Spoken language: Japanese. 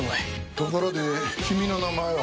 ところで君の名前は？